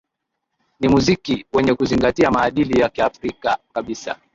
Ni muziki wenye kuzingatia maadili ya kiafrika kabisa